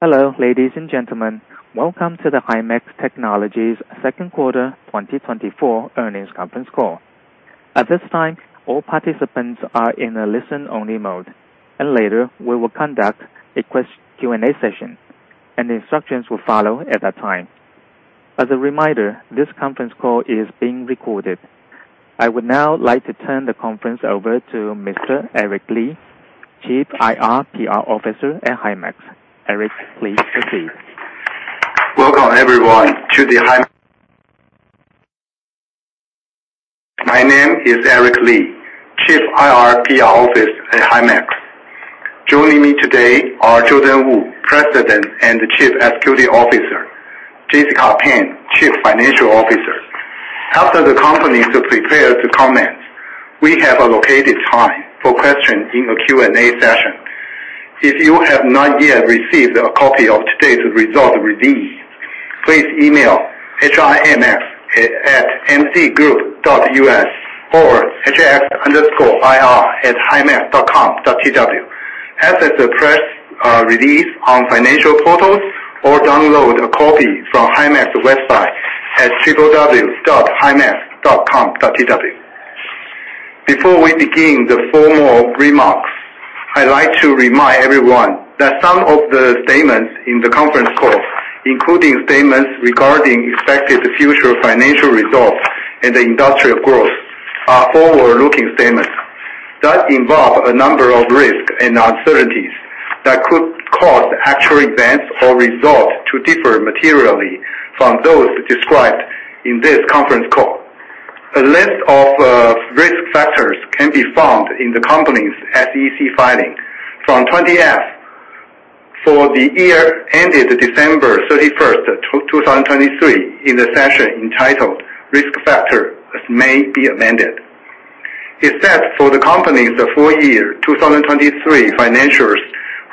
Hello, ladies and gentlemen. Welcome to the Himax Technologies Second Quarter 2024 earnings conference call. At this time, all participants are in a listen-only mode, and later we will conduct a Q&A session, and instructions will follow at that time. As a reminder, this conference call is being recorded. I would now like to turn the conference over to Mr. Eric Li, Chief IR/PR Officer at Himax. Eric, please proceed. Welcome, everyone, to the Himax... My name is Eric Li, Chief IR/PR Officer at Himax. Joining me today are Jordan Wu, President and Chief Executive Officer, Jessica Pan, Chief Financial Officer. After the company is prepared to comment, we have allocated time for questions in the Q&A session. If you have not yet received a copy of today's result release, please email himx@mcgroup.us or hx_ir@himax.com.tw. As as the press release on financial portals or download a copy from Himax website at www.himax.com.tw. Before we begin the formal remarks, I'd like to remind everyone that some of the statements in the conference call, including statements regarding expected future financial results and the industrial growth, are forward-looking statements that involve a number of risks and uncertainties that could cause actual events or results to differ materially from those described in this conference call. A list of risk factors can be found in the company's SEC filing from 20-F for the year ended December 31st, 2023, in the section entitled Risk Factors, as may be amended. Except for the company's full year 2023 financials,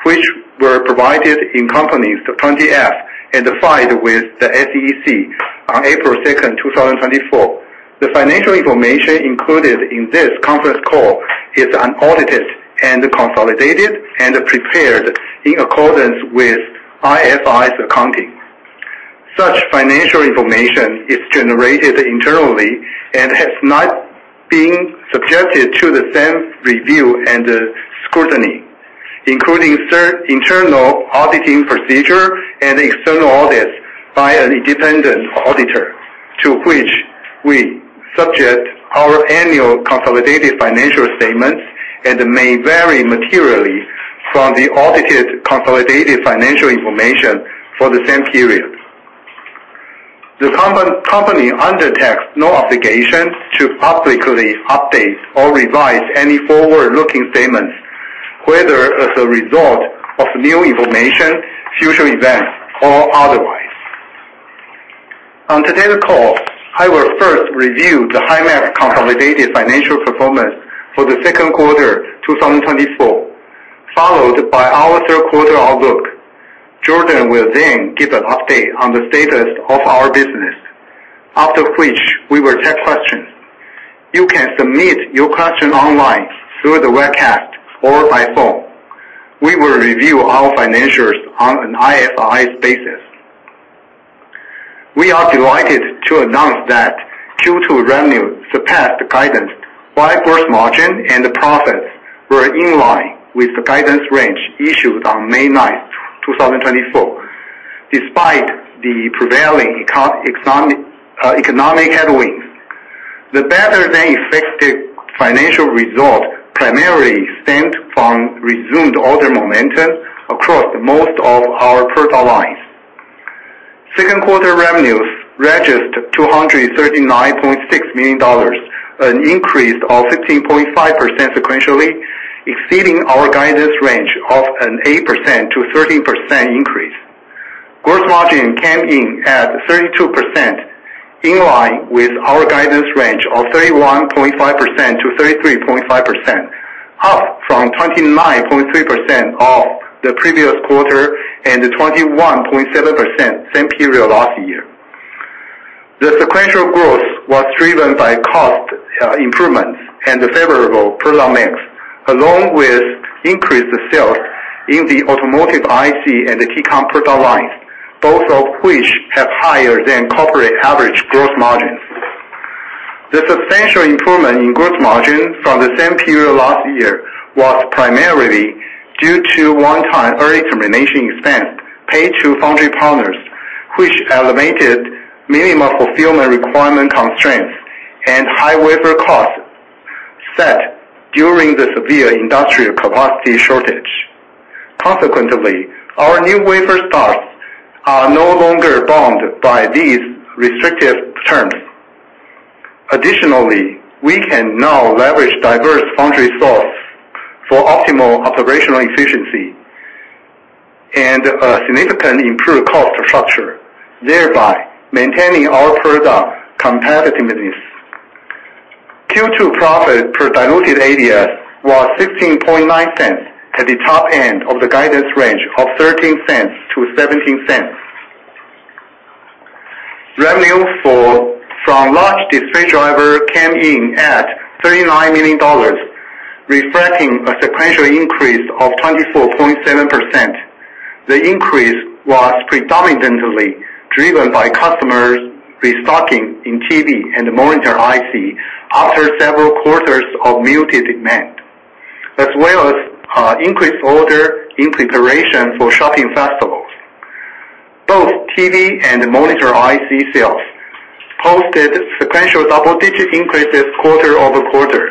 which were provided in company's 20-F and filed with the SEC on April 2nd, 2024. The financial information included in this conference call is unaudited and consolidated and prepared in accordance with IFRS accounting. Such financial information is generated internally and has not been subjected to the same review and scrutiny, including certain internal auditing procedure and external audits by an independent auditor, to which we subject our annual consolidated financial statements and may vary materially from the audited consolidated financial information for the same period. The company undertakes no obligation to publicly update or revise any forward-looking statements, whether as a result of new information, future events, or otherwise. On today's call, I will first review the Himax consolidated financial performance for the second quarter 2024, followed by our third quarter outlook. Jordan will then give an update on the status of our business, after which we will take questions. You can submit your question online through the webcast or by phone. We will review our financials on an IFRS basis. We are delighted to announce that Q2 revenue surpassed guidance, while gross margin and profits were in line with the guidance range issued on May 9th, 2024, despite the prevailing economic headwinds. The better-than-expected financial result primarily stemmed from resumed order momentum across most of our product lines. Second quarter revenues registered $239.6 million, an increase of 16.5% sequentially, exceeding our guidance range of an 8%-13% increase. Gross margin came in at 32%, in line with our guidance range of 31.5%-33.5%, up from 29.3% of the previous quarter and 21.7% same period last year. The sequential growth was driven by cost improvements and the favorable product mix, along with increased sales in the automotive IC and the Tcon product lines, both of which have higher than corporate average gross margins. The substantial improvement in gross margin from the same period last year was primarily due to one-time early termination expense paid to foundry partners, which eliminated minimum fulfillment requirement constraints and high wafer costs set during the severe industrial capacity shortage. Consequently, our new wafer starts are no longer bound by these restrictive terms. Additionally, we can now leverage diverse foundry source for optimal operational efficiency and significant improved cost structure, thereby maintaining our product competitiveness. Q2 profit per diluted ADS was $0.169 at the top end of the guidance range of $0.13-$0.17. Revenue from large display driver came in at $39 million, reflecting a sequential increase of 24.7%. The increase was predominantly driven by customers restocking in TV and monitor IC after several quarters of muted demand, as well as increased order in preparation for shopping festivals. Both TV and monitor IC sales posted sequential double-digit increases quarter-over-quarter.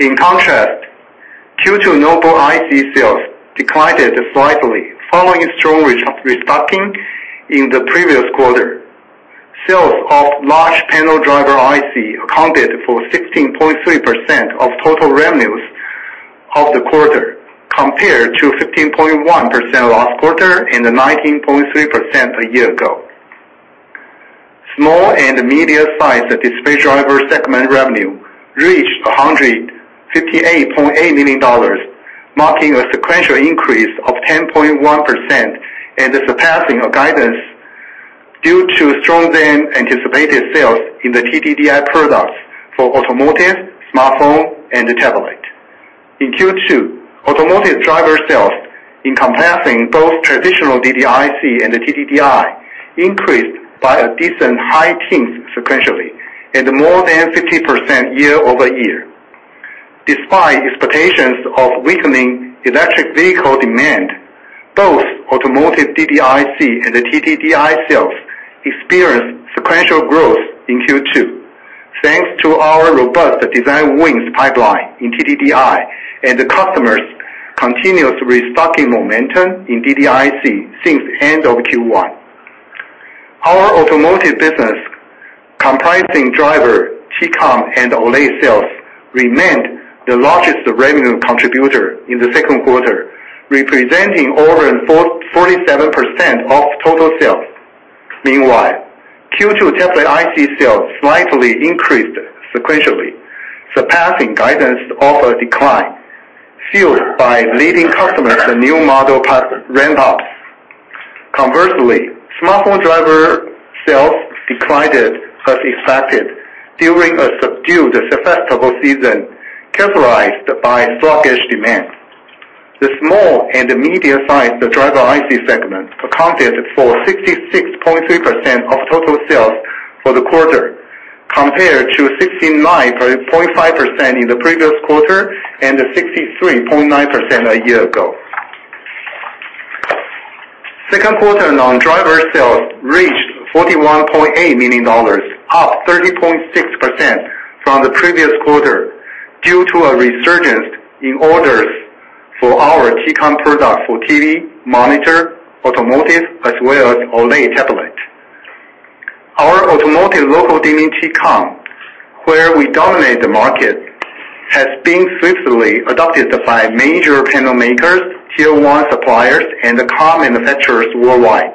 In contrast, Q2 notebook IC sales declined slightly following strong restocking in the previous quarter. Sales of large panel driver IC accounted for 16.3% of total revenues of the quarter, compared to 15.1% last quarter and 19.3% a year ago. Small and medium-sized display driver segment revenue reached $158.8 million, marking a sequential increase of 10.1% and the surpassing of guidance due to stronger than anticipated sales in the TDDI products for automotive, smartphone, and tablet. In Q2, automotive driver sales, encompassing both traditional DDIC and the TDDI, increased by a decent high teen sequentially, and more than 50% year-over-year. Despite expectations of weakening electric vehicle demand, both automotive DDIC and the TDDI sales experienced sequential growth in Q2, thanks to our robust design wins pipeline in TDDI and the customers' continuous restocking momentum in DDIC since end of Q1. Our automotive business, comprising driver, T-Con, and OLED sales, remained the largest revenue contributor in the second quarter, representing over 47% of total sales. Meanwhile, Q2 tablet IC sales slightly increased sequentially, surpassing guidance of a decline, fueled by leading customers and new model ramp ups. Conversely, smartphone driver sales declined as expected during a subdued festival season, characterized by sluggish demand. The small and the medium-sized driver IC segment accounted for 66.3% of total sales for the quarter, compared to 69.5% in the previous quarter and 63.9% a year ago. Second quarter non-driver sales reached $41.8 million, up 30.6% from the previous quarter, due to a resurgence in orders for our T-Con product for TV, monitor, automotive, as well as OLED tablet. Our automotive local dimming T-Con, where we dominate the market, has been swiftly adopted by major panel makers, Tier 1 suppliers, and the car manufacturers worldwide,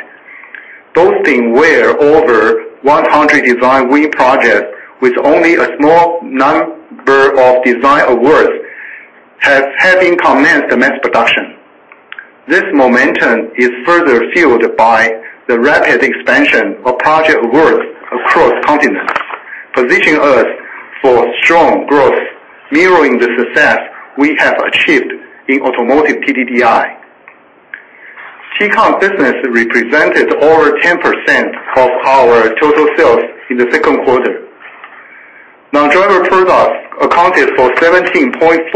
boasting well over 100 design win projects, with only a small number of design wins having commenced the mass production. This momentum is further fueled by the rapid expansion of project awards across continents, positioning us for strong growth, mirroring the success we have achieved in automotive TDDI. T-Con business represented over 10% of our total sales in the second quarter. Non-driver products accounted for 17.4%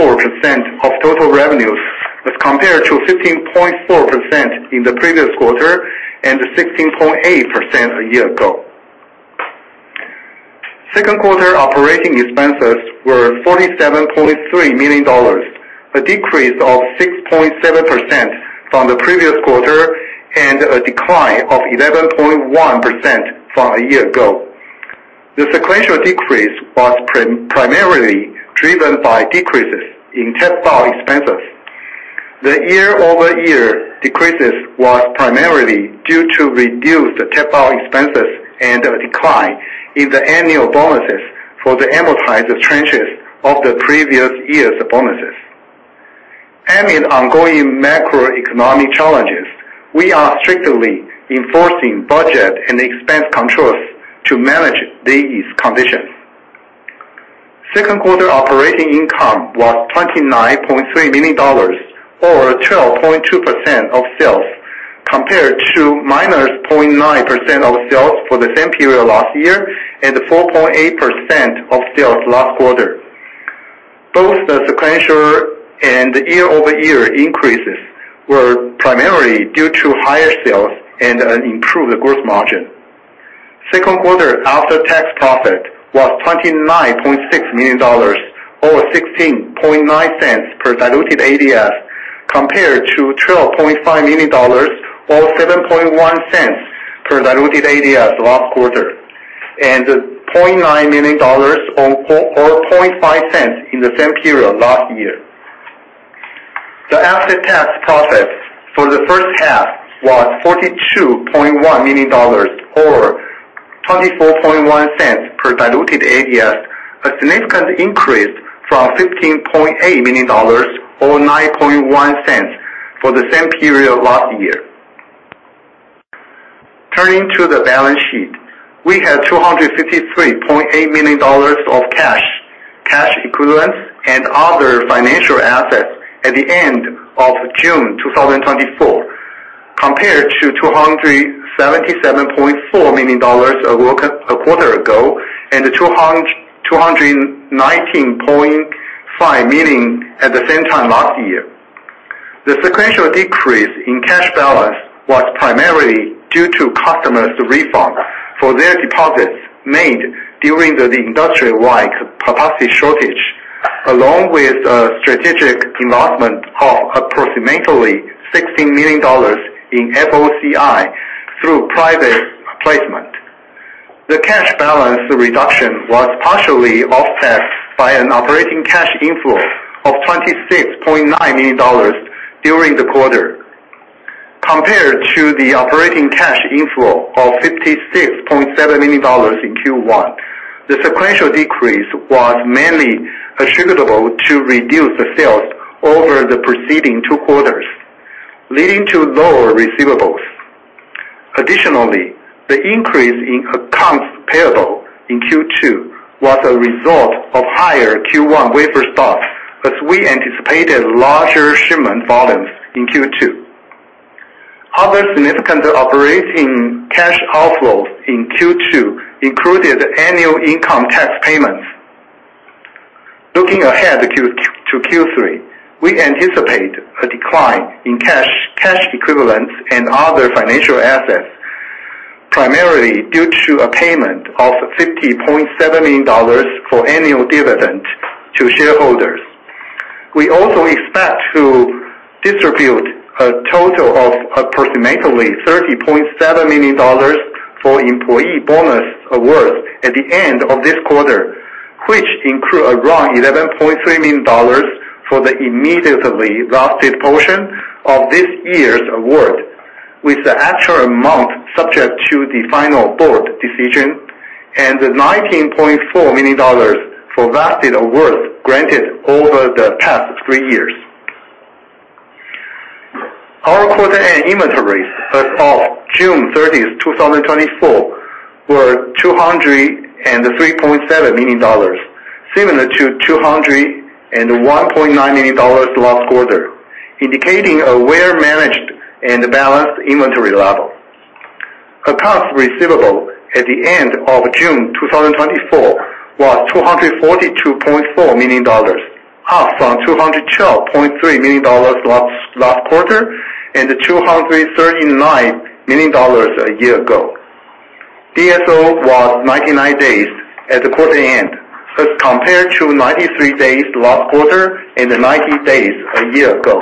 of total revenues, as compared to 15.4% in the previous quarter and 16.8% a year ago. Second quarter operating expenses were $47.3 million, a decrease of 6.7% from the previous quarter, and a decline of 11.1% from a year ago. The sequential decrease was primarily driven by decreases in R&D expenses. The year-over-year decrease was primarily due to reduced R&D expenses and a decline in the annual bonuses for the amortized tranches of the previous year's bonuses. Amid ongoing macroeconomic challenges, we are strictly enforcing budget and expense controls to manage these conditions. Second quarter operating income was $29.3 million, or 12.2% of sales, compared to -0.9% of sales for the same period last year, and 4.8% of sales last quarter. Both the sequential and year-over-year increases were primarily due to higher sales and an improved gross margin. Second quarter after-tax profit was $29.6 million, or $0.169 per diluted ADS, compared to $12.5 million, or $0.071 per diluted ADS last quarter, and $0.9 million or $0.005 in the same period last year. The after-tax profit for the first half was $42.1 million, or $0.241 per diluted ADS, a significant increase from $15.8 million, or $0.091 for the same period last year. Turning to the balance sheet, we have $253.8 million of cash, cash equivalents, and other financial assets at the end of June 2024, compared to $277.4 million ago, a quarter ago, and $219.5 million at the same time last year. The sequential decrease in cash balance was primarily due to customers refund for their deposits made during the industry-wide capacity shortage, along with a strategic investment of approximately $16 million in FOCI through private placement. The cash balance reduction was partially offset by an operating cash inflow of $26.9 million during the quarter. Compared to the operating cash inflow of $56.7 million in Q1, the sequential decrease was mainly attributable to reduced sales over the preceding two quarters, leading to lower receivables. Additionally, the increase in accounts payable in Q2 was a result of higher Q1 wafer stocks, as we anticipated larger shipment volumes in Q2. Other significant operating cash outflows in Q2 included annual income tax payments. Looking ahead to Q2 to Q3, we anticipate a decline in cash, cash equivalents and other financial assets, primarily due to a payment of $50.7 million for annual dividend to shareholders. We also expect to distribute a total of approximately $30.7 million for employee bonus awards at the end of this quarter, which include around $11.3 million for the immediately vested portion of this year's award, with the actual amount subject to the final board decision, and $19.4 million for vested awards granted over the past three years. Our quarter-end inventories as of June 30th, 2024, were $203.7 million, similar to $201.9 million last quarter, indicating a well-managed and balanced inventory level. Accounts receivable at the end of June 2024 was $242.4 million, up from $212.3 million last quarter, and $239 million a year ago. DSO was 99 days at the quarter end, as compared to 93 days last quarter and 90 days a year ago.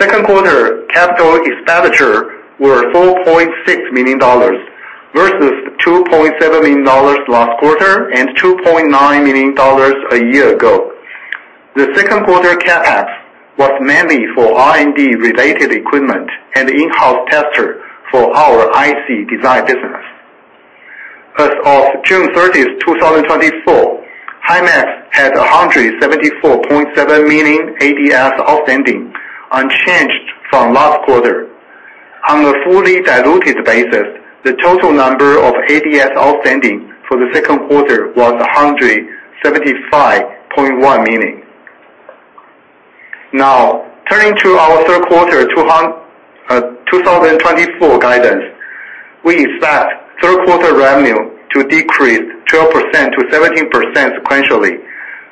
Second quarter capital expenditure were $4.6 million versus $2.7 million last quarter and $2.9 million a year ago. The second quarter CapEx was mainly for R&D-related equipment and in-house tester for our IC design business. As of June 30, 2024, Himax had 174.7 million ADS outstanding, unchanged from last quarter. On a fully diluted basis, the total number of ADS outstanding for the second quarter was 175.1 million. Now, turning to our third quarter 2024 guidance, we expect third quarter revenue to decrease 12%-17% sequentially.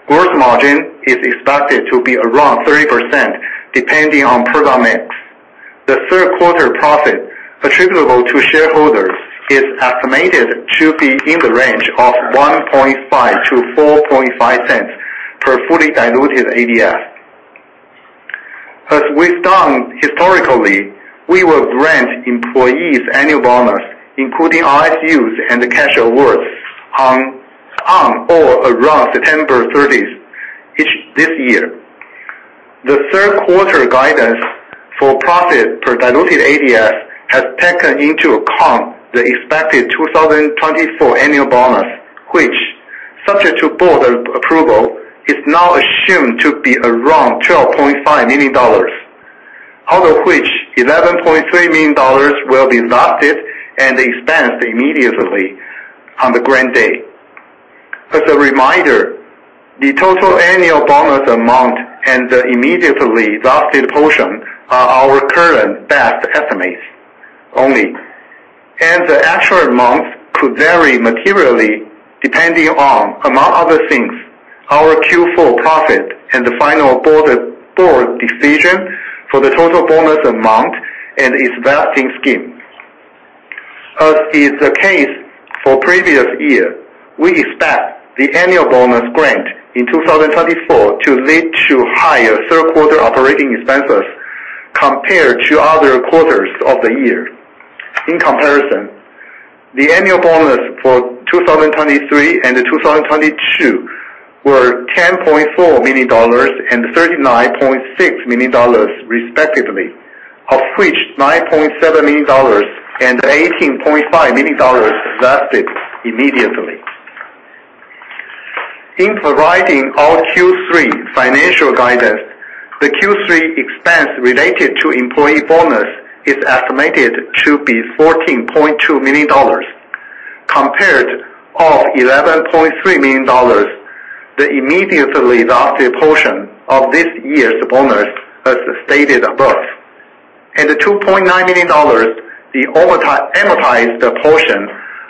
Gross margin is expected to be around 30%, depending on product mix. The third quarter profit attributable to shareholders is estimated to be in the range of $0.015-$0.045 per fully diluted ADS. As we've done historically, we will grant employees annual bonus, including RSUs and cash awards on or around September 30th this year. The third quarter guidance for profit per diluted ADS has taken into account the expected 2024 annual bonus, which, subject to board approval, is now assumed to be around $12.5 million, out of which $11.3 million will be vested and expensed immediately on the grant date. As a reminder, the total annual bonus amount and the immediately vested portion are our current best estimates only, and the actual amounts could vary materially, depending on, among other things, our Q4 profit and the final board decision for the total bonus amount and its vesting scheme. As is the case for previous year, we expect the annual bonus grant in 2024 to lead to higher third quarter operating expenses compared to other quarters of the year. In comparison, the annual bonus for 2023 and 2022 were $10.4 million and $39.6 million, respectively, of which $9.7 million and $18.5 million vested immediately. In providing our Q3 financial guidance, the Q3 expense related to employee bonus is estimated to be $14.2 million, compared to $11.3 million. The immediately vested portion of this year's bonus, as stated above, and the $2.9 million, the over time amortized portion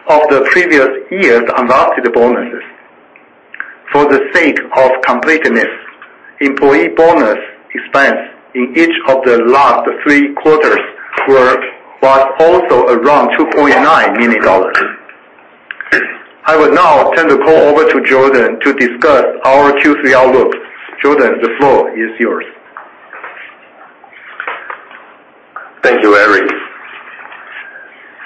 of the previous year's unvested bonuses. For the sake of completeness, employee bonus expense in each of the last three quarters was also around $2.9 million. I will now turn the call over to Jordan to discuss our Q3 outlook. Jordan, the floor is yours. Thank you, Eric.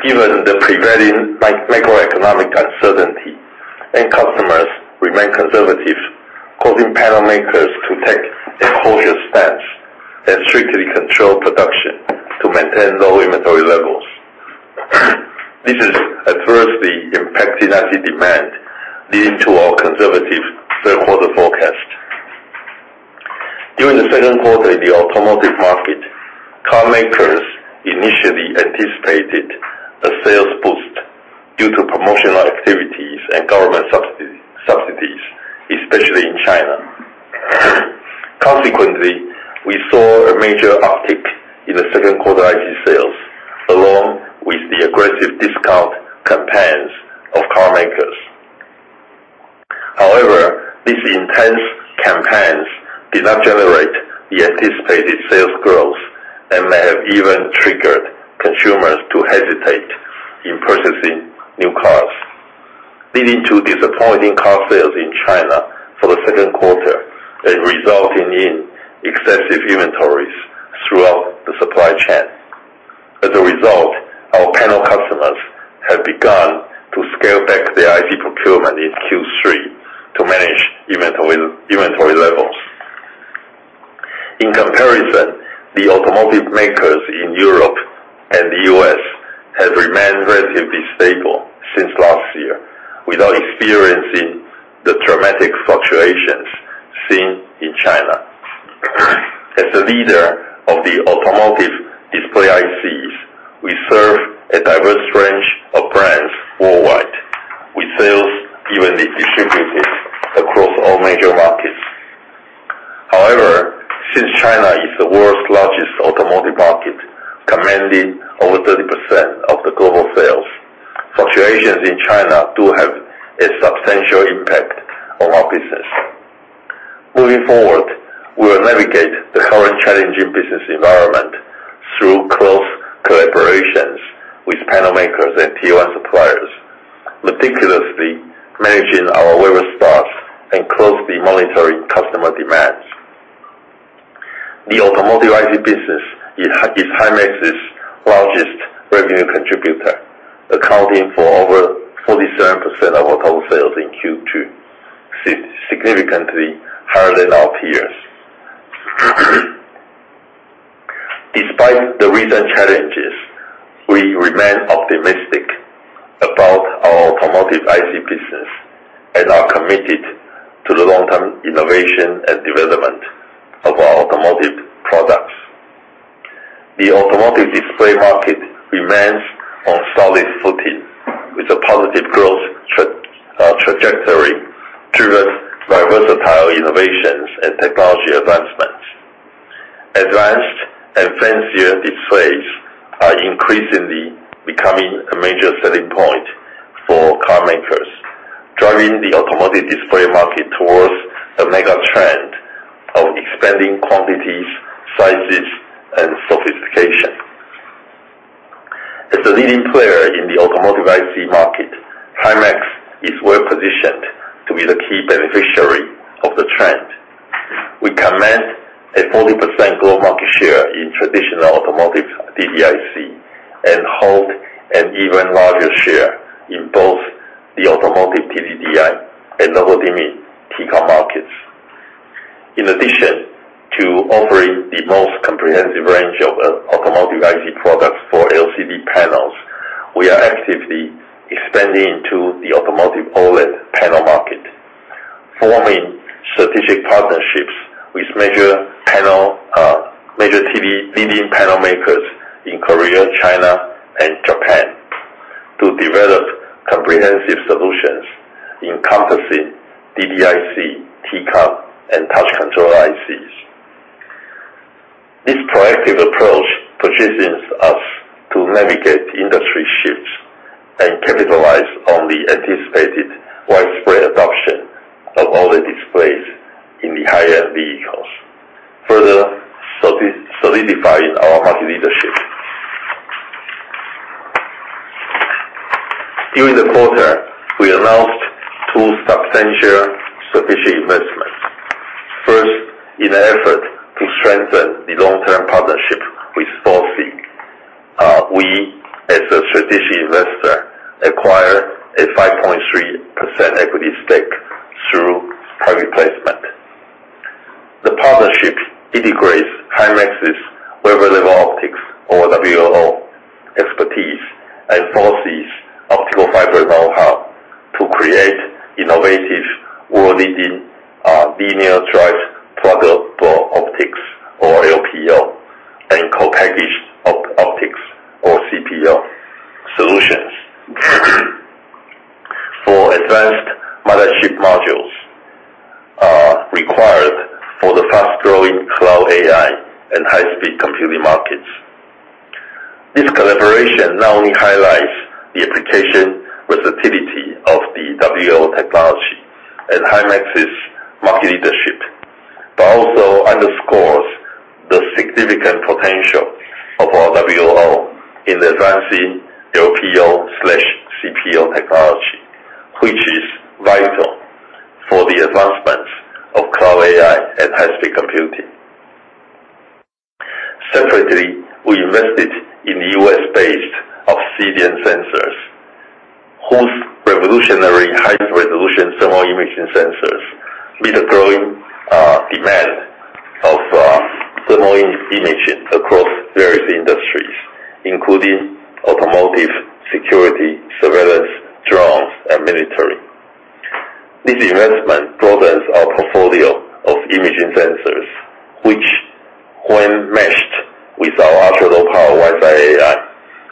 Given the prevailing macroeconomic uncertainty, customers remain conservative, causing panel makers to take a cautious stance and strictly control production to maintain low inventory levels. This is adversely impacting IC demand, leading to our conservative third quarter forecast. During the second quarter in the automotive market, car makers initially anticipated a sales boost due to promotional activities and government subsidies, especially in China. Consequently, we saw a major uptick in the second quarter IC sales, along with the aggressive discount campaigns of car makers. However, these intense campaigns did not generate the anticipated sales growth and may have even triggered consumers to hesitate in purchasing new cars, leading to disappointing car sales in China for the second quarter and resulting in excessive inventories throughout the supply chain. As a result, our panel customers have begun to scale back their IC procurement in Q3 to manage inventory, inventory levels. In comparison, the automotive makers in Europe and the U.S. have remained relatively stable since last year, without experiencing the dramatic fluctuations seen in China. As a leader of the automotive display ICs, we serve a diverse range of brands worldwide, with sales evenly distributed across all major markets. However, since China is the world's largest automotive market, commanding over 30% of the global sales, fluctuations in China do have a substantial impact on our business. Moving forward, we will navigate the current challenging business environment through close collaborations with panel makers and Tier 1 suppliers, meticulously managing our wafer stocks and closely monitoring customer demands. The automotive IC business is Himax's largest revenue contributor, accounting for over 47% of our total sales in Q2, significantly higher than our peers. Despite the recent challenges, we remain optimistic about our automotive IC business and are committed to the long-term innovation and development of our automotive products. The automotive display market remains on solid footing, with a positive growth trajectory, driven by versatile innovations and technology advancements. Advanced and fancier displays are increasingly becoming a major selling point for car makers, driving the automotive display market towards a mega trend of expanding quantities, sizes, and sophistication. As a leading player in the automotive IC market, Himax is well positioned to be the key beneficiary of the trend. We command a 40% global market share in traditional automotive DDIC, and hold an even larger share in both the automotive TDDI and novel dimming T-Con markets. In addition to offering the most comprehensive range of automotive IC products for LCD panels, we are actively expanding into the automotive OLED panel market, forming strategic partnerships with leading panel makers in Korea, China, and Japan to develop comprehensive solutions encompassing DDIC, T-Con, and touch control ICs. This proactive approach positions us to navigate industry shifts and capitalize on the anticipated widespread adoption of OLED displays in the higher end vehicles, further solidifying our market leadership. During the quarter, we announced two substantial strategic investments. First, in an effort to strengthen the long-term partnership with Source Photonics, we, as a strategic investor, acquired a 5.3% equity stake through private placement. The partnership integrates Himax's wafer level optics, or WLO... and forces optical fiber know-how to create innovative world-leading, Linear Drive Pluggable Optics or LPO, and co-packaged optics, or CPO solutions. For advanced multi-chip modules, required for the fast-growing cloud AI and high-speed computing markets. This collaboration not only highlights the application versatility of the WLO technology and Himax's market leadership, but also underscores the significant potential of our WLO in advancing LPO slash CPO technology, which is vital for the advancement of cloud AI and high-speed computing. Separately, we invested in US-based Obsidian Sensors, whose revolutionary high-resolution thermal imaging sensors meet the growing, demand of, thermal imaging across various industries, including automotive, security, surveillance, drones, and military. This investment broadens our portfolio of imaging sensors, which, when meshed with our ultra-low power WiseEye AI,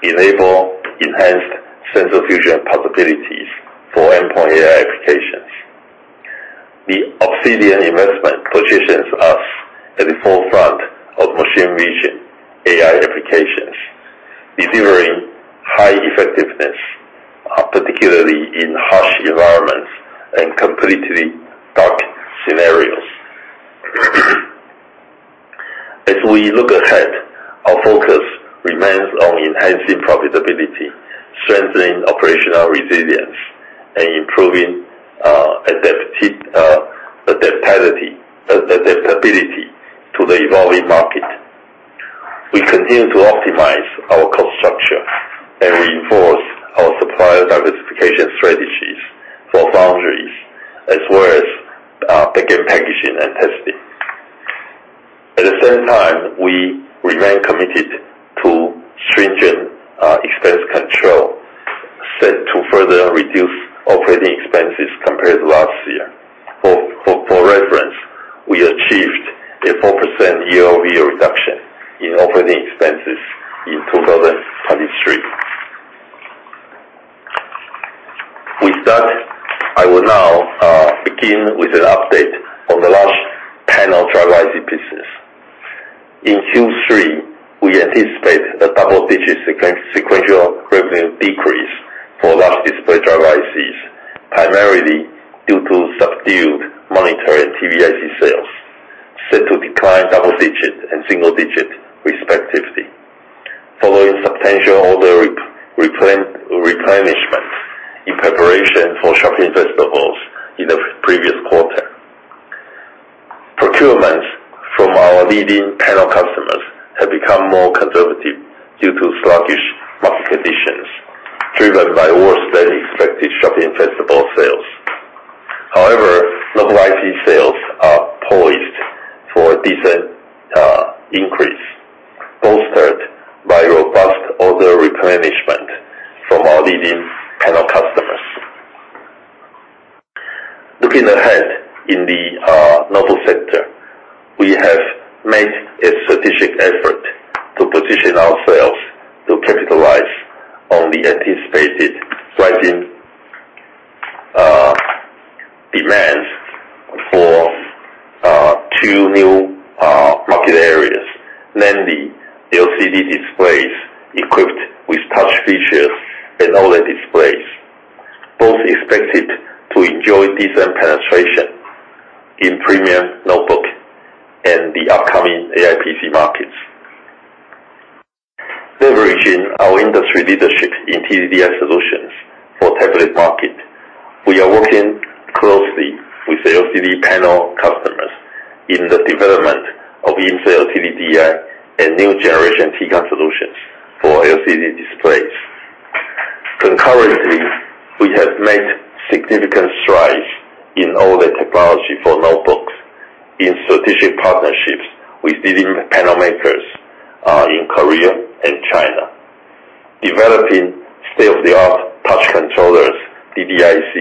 enable enhanced sensor fusion possibilities for endpoint AI applications. The Obsidian investment positions us at the forefront of machine vision AI applications, delivering high effectiveness, particularly in harsh environments and completely dark scenarios. As we look ahead, our focus remains on enhancing profitability, strengthening operational resilience, and improving adaptability to the evolving market. We continue to optimize our cost structure and reinforce our supplier diversification strategies for foundries as well as packaging and testing. At the same time, we remain committed to stringent expense control, set to further reduce operating expenses compared to last year. For reference, we achieved a 4% year-over-year reduction in operating expenses in 2023. With that, I will now begin with an update on the large panel driver IC business. In Q3, we anticipate a double-digit sequential revenue decrease for large display driver ICs, primarily due to subdued medium TDDI sales, set to decline double-digit and single-digit respectively. Following substantial order replenishment in preparation for shopping festivals in the previous quarter. Procurements from our leading panel customers have become more conservative due to sluggish market conditions, driven by worse-than-expected shopping festival sales. However, local IC sales are poised for a decent increase, bolstered by robust order replenishment from our leading panel customers. Looking ahead in the notebook sector, we have made a strategic effort to position ourselves to capitalize on the anticipated rising demands for two new market areas, namely LCD displays equipped with touch features and OLED displays. Both expected to enjoy decent penetration in premium notebook and the upcoming AIPC markets. Leveraging our industry leadership in TDDI solutions for tablet market, we are working closely with the LCD panel customers in the development of in-cell LCD TDDI and new generation T-CON solutions for LCD displays. Concurrently, we have made significant strides in all the technology for notebooks in strategic partnerships with leading panel makers in Korea and China, developing state-of-the-art touch controllers, DDIC,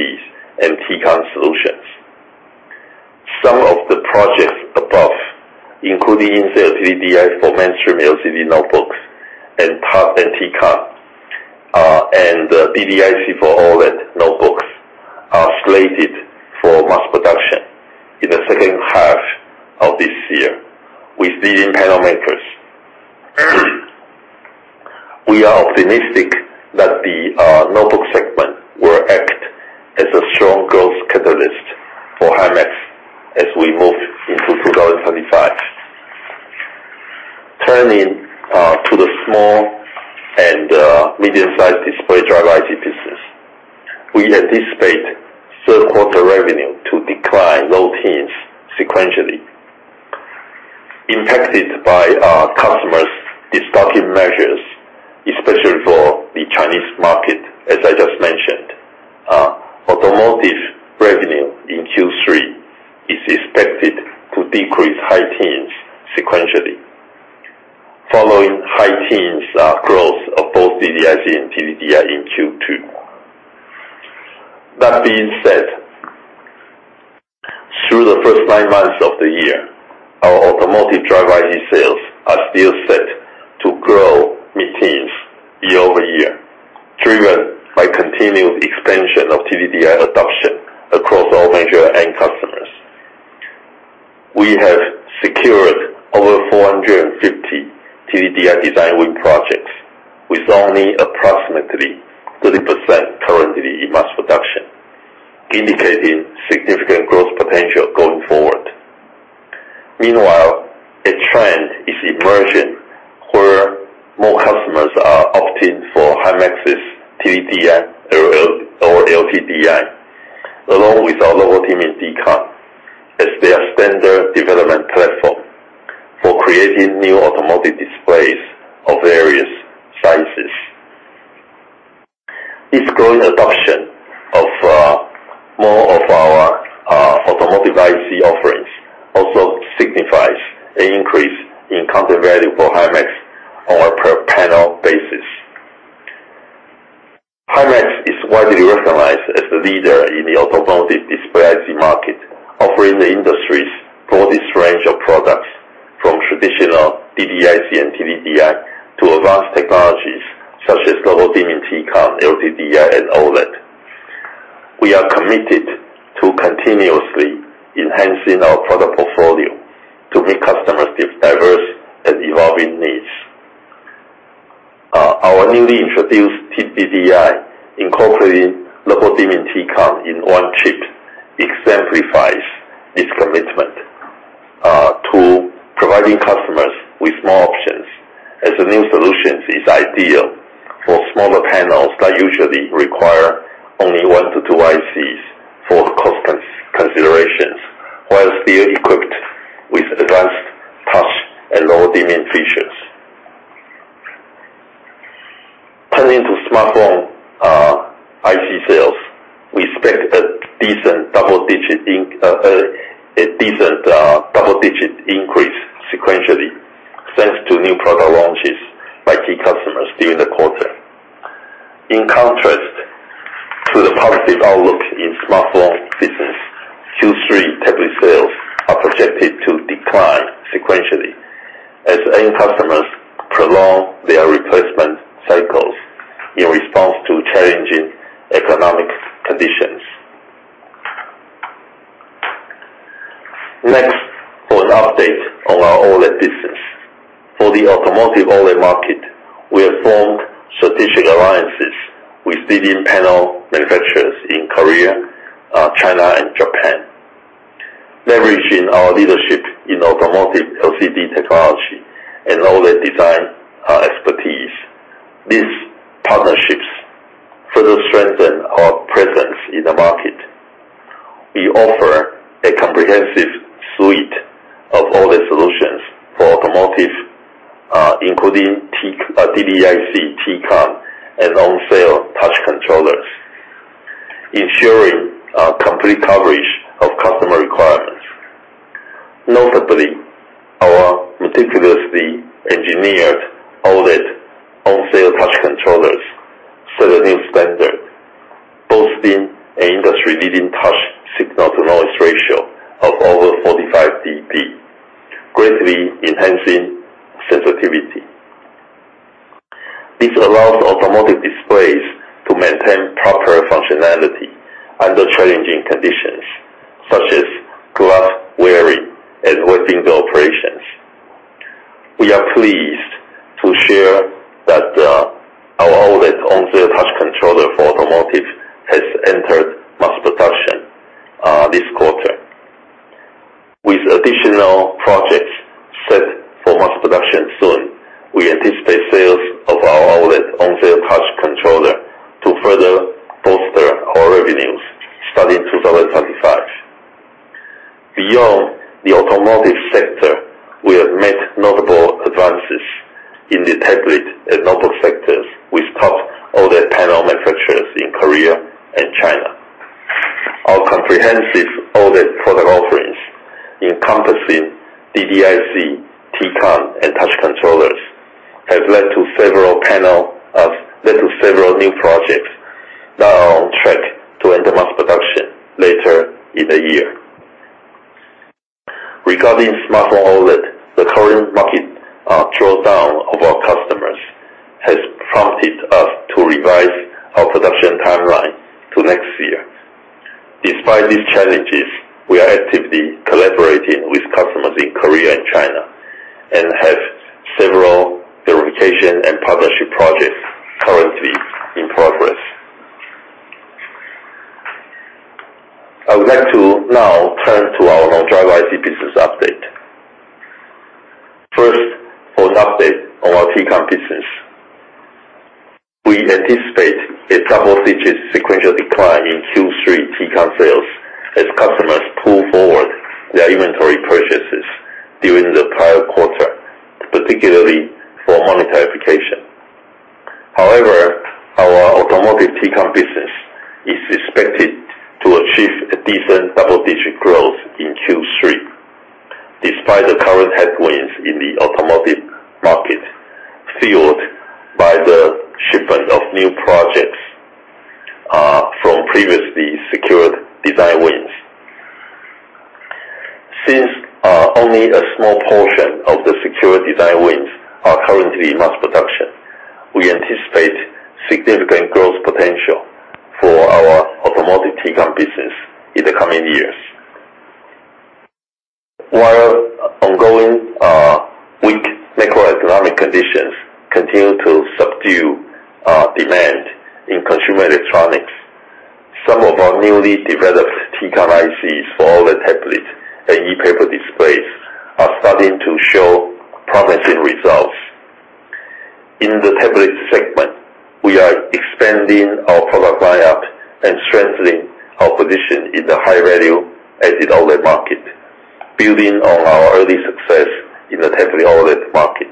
and T-CON solutions. Some of the projects above, including in-cell TDDI for mainstream LCD notebooks and touch, and T-CON and DDIC for all that notebooks, are slated for mass production in the second half of this year with leading panel makers. We are optimistic that the notebook segment will act as a strong growth catalyst for Himax as we move into 2025. Turning to the small and medium-sized display driver IC business, we anticipate third quarter revenue to decline low teens sequentially, impacted by our customers' destocking measures, especially for the Chinese market, as I just mentioned. Automotive revenue in Q3 is expected to decrease high teens sequentially, following high teens growth of both DDIC and TDDI in Q2. That being said, through the first 9 months of the year, our automotive driver IC sales are still set to grow mid-teens year-over-year, driven by continued expansion of TDDI adoption across all major end customers. We have secured over 450 TDDI design win projects, with only approximately 30% currently in mass production, indicating significant growth potential going forward. Next, for an update on our OLED business. For the automotive OLED market, we have formed strategic alliances with leading panel manufacturers in Korea, China, and Japan, leveraging our leadership in automotive LCD technology and all the design expertise. These partnerships further strengthen our presence in the market. We offer a comprehensive suite of all the solutions for automotive, including TDDI, DDIC, T-Con, and on-cell touch controllers, ensuring complete coverage of customer requirements. Notably, our meticulously engineered OLED on-cell touch controllers set a new standard, boasting an industry-leading touch signal-to-noise ratio of over 45 dB, greatly enhancing sensitivity. This allows automotive displays to maintain proper functionality under challenging conditions such as glove wearing and wet finger operations. We are pleased to share that our OLED on-cell touch controller for automotive has entered mass production this quarter. With additional projects set for mass production soon, we anticipate sales of our OLED on-cell touch controller to further bolster our revenues starting in 2035. Beyond the automotive sector, we have made notable advances in the tablet and notebook sectors with top OLED panel manufacturers in Korea and China. Our comprehensive OLED product offerings, encompassing DDIC, T-Con, and touch controllers, have led to several new projects that are on track to enter mass production later in the year. Regarding smartphone OLED, the current market drawdown of our customers has prompted us to revise our production timeline to next year. Despite these challenges, we are actively collaborating with customers in Korea and China, and have several verification and partnership projects currently in progress. I would like to now turn to our non-driver IC business update. First, for an update on our T-Con business. We anticipate a double-digit sequential decline in Q3 T-Con sales as customers pull forward their inventory purchases during the prior quarter, particularly for monitor application. However, our automotive T-Con business is expected to achieve a decent double-digit growth in Q3, despite the current headwinds in the automotive market, fueled by the shipment of new projects from previously secured design wins. Since only a small portion of the secured design wins are currently in mass production, we anticipate significant growth potential for our automotive T-Con business in the coming years. While ongoing weak macroeconomic conditions continue to subdue demand in consumer electronics, some of our newly developed T-Con ICs for all the tablets and ePaper displays are starting to show promising results. In the tablet segment, we are expanding our product lineup and strengthening our position in the high-value added OLED market, building on our early success in the tablet OLED market.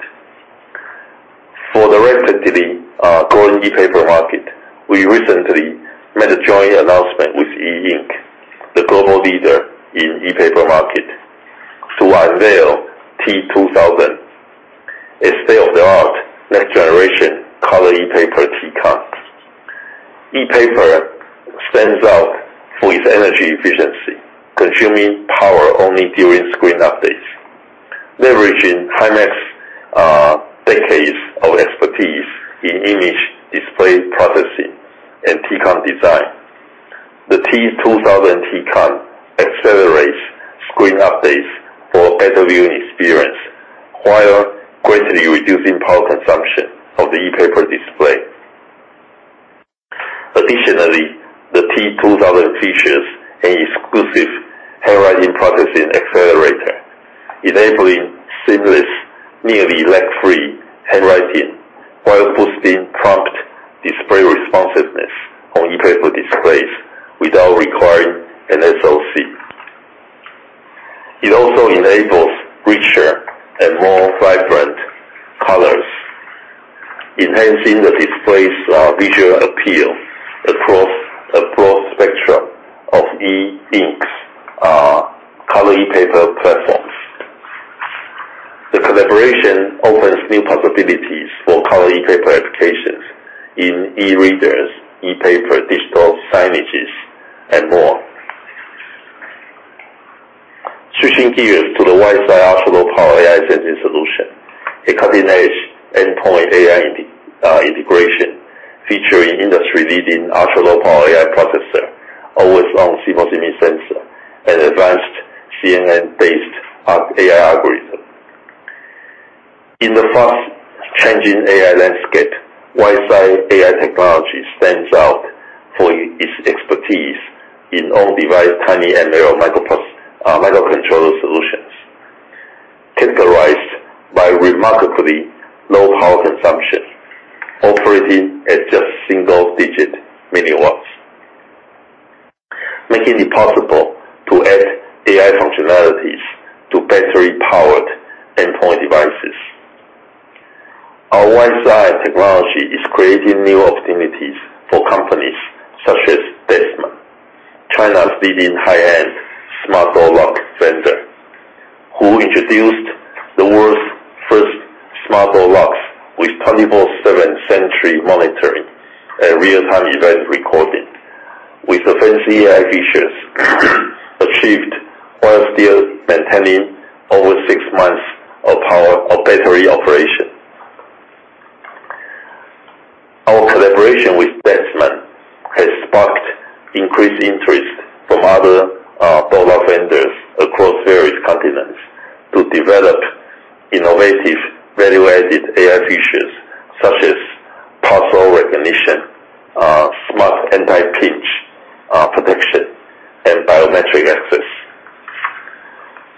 For the relatively growing ePaper market, we recently made a joint announcement with E Ink, the global leader in ePaper market, to unveil T2000, a state-of-the-art, next generation color ePaper T-Con. ePaper stands out for its energy efficiency, consuming power only during screen updates. Leveraging Himax decades of expertise in image display processing and T-Con design, the T2000 T-Con accelerates screen updates for better viewing experience, while greatly reducing power consumption of the ePaper display. Additionally, the T2000 features an exclusive handwriting processing accelerator, enabling seamless, nearly lag-free handwriting, while boosting prompt display responsiveness on ePaper displays without requiring an SOC. It also enables richer and more vibrant colors, enhancing the display's visual appeal across a broad spectrum of E Ink's color ePaper platforms. The collaboration opens new possibilities for color ePaper applications in e-readers, ePaper, digital signages, and more. Switching gears to the WiseEye ultra low power AI sensing solution, a cutting-edge endpoint AI integration featuring industry-leading ultra low power AI processor, always-on CMOS image sensor, and advanced CNN-based AI algorithm. In the fast-changing AI landscape, WiseEye AI technology stands out for its expertise in on-device, tiny ML microcontroller solutions, characterized by remarkably low power consumption, operating at just single digit milliwatts, making it possible to add AI functionalities to battery-powered endpoint devices. Our WiseEye technology is creating new opportunities for companies such as Desman, China's leading high-end smart door lock vendor, who introduced the world's first smart door locks with 24/7 sentry monitoring and real-time event recording. With advanced AI features achieved while still maintaining over six months of power of battery operation. Our collaboration with Desman has sparked increased interest from other, door lock vendors across various continents to develop innovative, value-added AI features such as parcel recognition, smart anti-pinch, protection, and biometric access.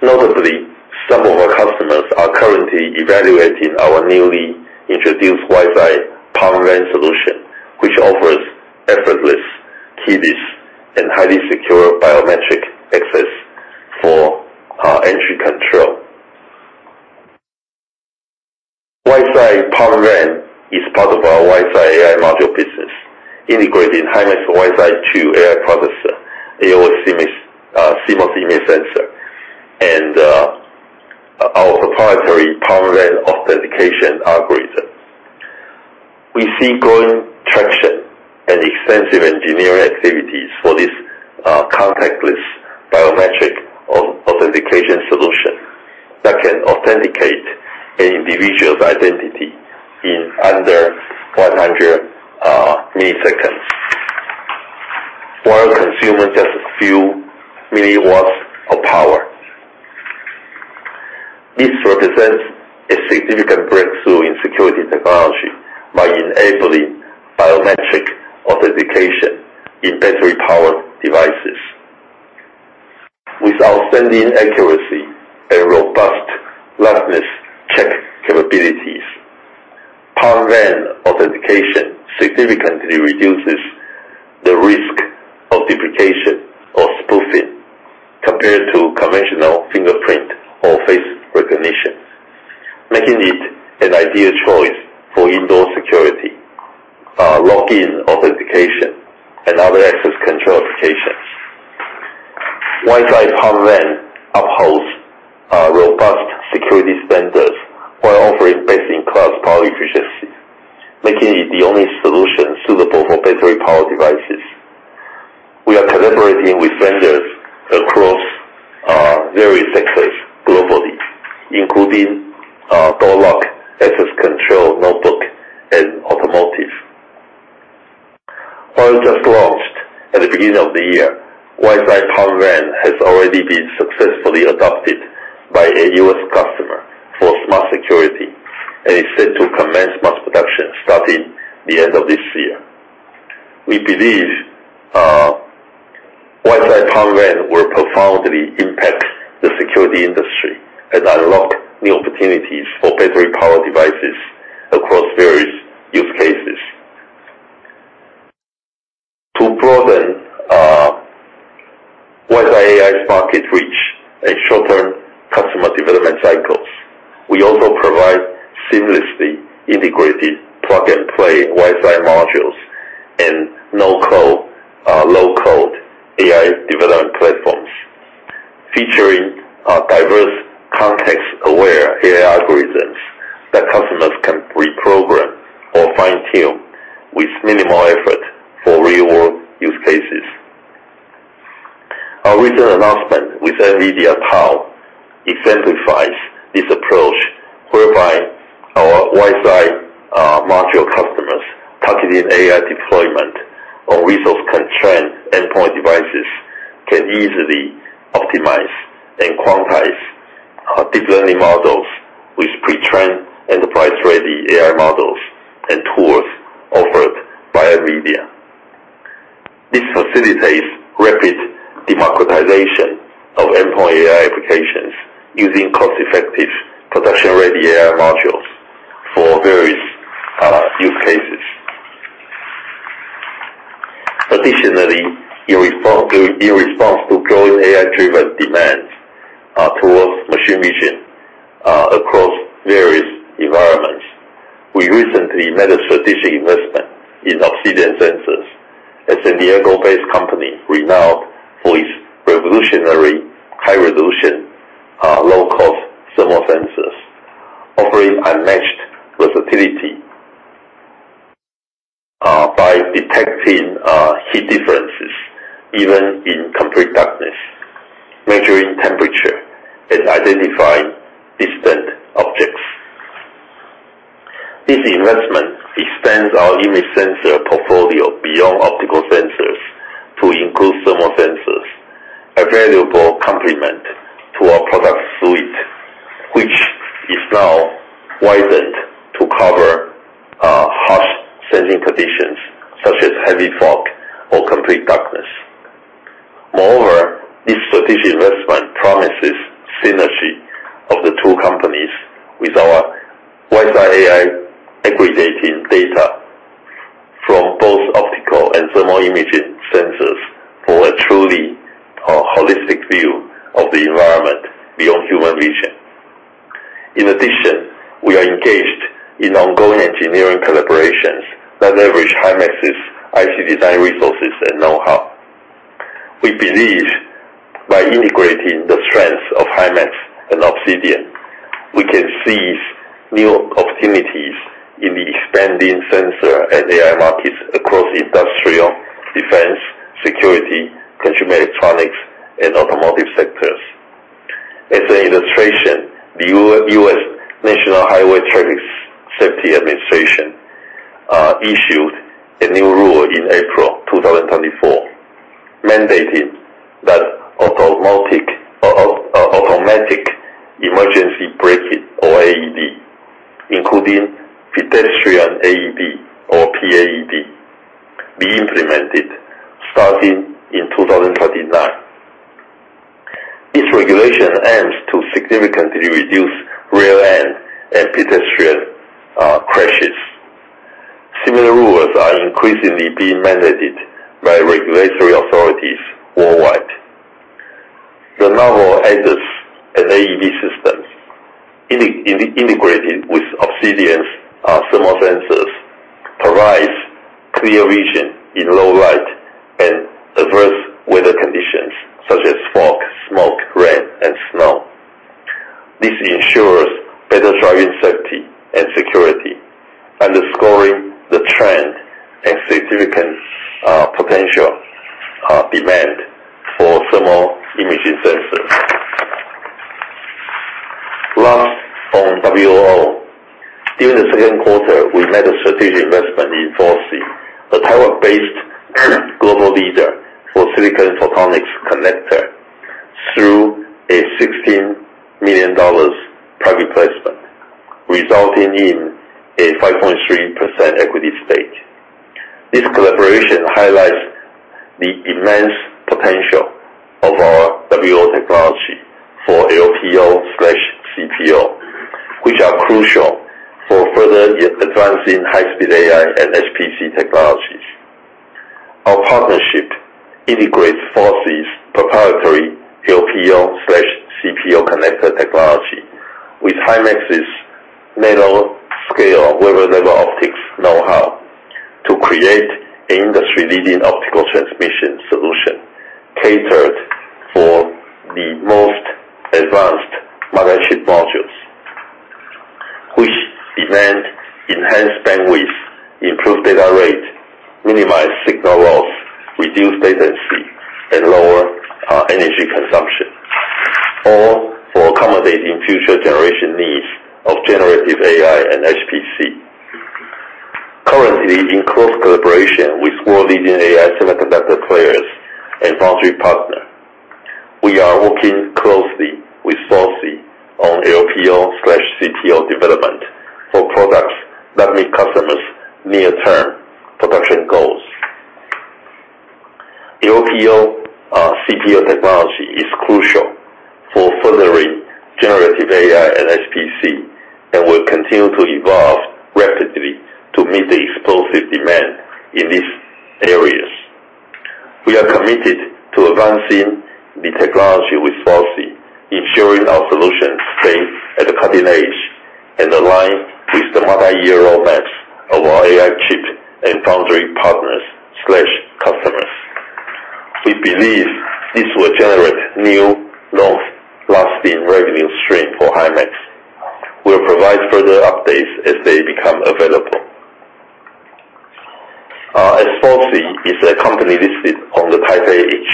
Notably, some of our customers are currently evaluating our newly introduced WiseEye palm vein solution, which offers effortless keyless and highly secure biometric access for, entry control. WiseEye palm vein is part of our WiseEye AI module business, integrating Himax WiseEye 2 AI processor, AOS image, CMOS image sensor, and, our proprietary palm vein authentication algorithm. We see growing traction and extensive engineering activities for this contactless biometric authentication solution that can authenticate an individual's identity in under 100 milliseconds, while consuming just a few milliwatts of power. This represents a significant breakthrough in security technology by enabling biometric authentication in battery-powered devices. With outstanding accuracy and robust liveness check capabilities, palm vein authentication significantly reduces the risk of duplication compared to conventional fingerprint or face recognition, making it an ideal choice for indoor security, login authentication, and other access control applications. WiseEye Palm Vein upholds robust security standards while offering best-in-class power efficiency, making it the only solution suitable for battery power devices. We are collaborating with vendors across various sectors globally, including door lock, access control, notebook, and automotive. While just launched at the beginning of the year, WiseEye Palm Vein has already been successfully adopted by a U.S. customer for smart security, and is set to commence mass production starting the end of this year. We believe, WiseEye Palm Vein will profoundly impact the security industry and unlock new opportunities for battery power devices across various use cases. To broaden, WiseEye AI's market reach and short-term customer development cycles, we also provide seamlessly integrated plug-and-play WiseEyemodules and no-code, low-code AI development platforms, featuring, diverse context-aware AI algorithms that customers can reprogram or fine-tune with minimal effort for real-world use cases. Our recent announcement with NVIDIA TAO exemplifies this approach, whereby our WiseEye, module customers targeting AI deployment on resource-constrained endpoint devices, can easily optimize and quantize, deep learning models with pre-trained, enterprise-ready AI models and tools offered by NVIDIA. This facilitates rapid democratization of endpoint AI applications using cost-effective, production-ready AI modules for various use cases. Additionally, in response to growing AI-driven demands towards machine vision across various environments, we recently made a strategic investment in Obsidian Sensors, a San Diego-based company renowned for its revolutionary, high-resolution low-cost thermal sensors, offering unmatched versatility by detecting heat differences even in complete darkness, measuring temperature, and identifying distant objects. This investment extends our image sensor portfolio beyond optical sensors to include thermal sensors, a valuable complement to our product suite, which is now widened to cover harsh sensing conditions, such as heavy fog or complete darkness. Moreover, this strategic investment promises synergy of the two companies with our WiseEye AI, aggregating data from both optical and thermal imaging sensors for a truly holistic view of the environment beyond human vision. In addition, we are engaged in ongoing engineering collaborations that leverage Himax's IC design resources and know-how. We believe by integrating the strengths of Himax and Obsidian, we can seize new opportunities in the expanding sensor and AI markets across industrial, defense, security, consumer electronics, and automotive sectors. As an illustration, the U.S. National Highway Traffic Safety Administration issued a new rule in April 2024, mandating that automatic emergency braking, or AEB, including pedestrian AEB, or PAEB, be implemented starting in 2039. This regulation aims to significantly reduce rear-end and pedestrian crashes. Similar rules are increasingly being mandated by regulatory authorities worldwide. The novel ADAS and AEB systems, integrated with Obsidian's thermal sensors, provides clear vision in low light and adverse weather conditions such as fog, smoke, rain, and snow. This ensures better driving safety and security, underscoring the trend and significant potential demand for thermal imaging sensors. Last, on WO. During the second quarter, we made a strategic investment in FOCI, a Taiwan-based global leader for silicon photonics connector through a $16 million private placement, resulting in a 5.3% equity stake. This collaboration highlights the immense potential of our WO technology/CPO, which are crucial for further advancing high-speed AI and HPC technologies. Our partnership integrates FOCI's proprietary LPO/CPO connector technology with Himax's nanoscale wafer level optics know-how to create industry-leading optical transmission solution, catered for the most advanced management modules, which demand enhanced bandwidth, improved data rate, minimized signal loss, reduced latency, and lower energy consumption, all for accommodating future generation needs of generative AI and HPC. Currently, in close collaboration with world-leading AI semiconductor players and foundry partner, we are working closely with FOCI on LPO/CPO development for products that meet customers' near-term production goals. LPO, CPO technology is crucial for furthering generative AI and HPC, and will continue to evolve rapidly to meet the explosive demand in these areas. We are committed to advancing the technology with FOCI, ensuring our solutions stay at the cutting edge and align with the multi-year roadmaps of our AI chip and foundry partners slash customers. We believe this will generate new, long-lasting revenue stream for Himax. We'll provide further updates as they become available. As FOCI is a company listed on the Taipei Exchange,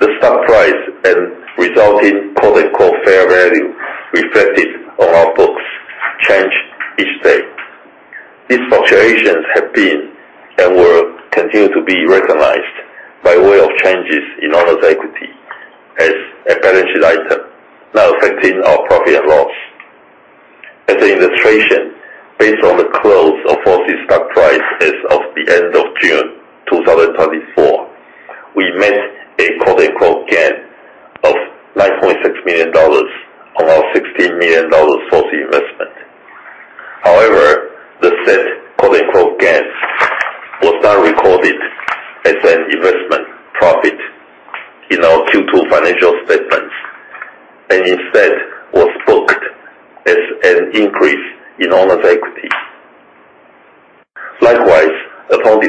the stock price and resulting, quote-unquote, "fair value" reflected on our books change each day. These fluctuations have been and will continue to be recognized by way of changes in owner's equity as a balanced item, not affecting our profit and loss. As an illustration, based on the close of FOCI's stock price as of the end of June 2024, we made a, quote-unquote, "gain" of $9.6 million on our $16 million FOCI investment. However, the said, quote-unquote, "gain" was not recorded as an investment profit in our Q2 financial statements, and instead was booked as an increase in owner's equity. Likewise, upon